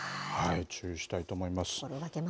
注意したいと思います。